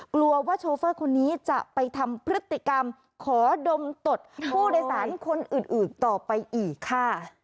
กลัวว่าโชเฟอร์คนนี้จะไปทำพฤติกรรมขอดมตดผู้โดยสารคนอื่นต่อไปอีกค่ะ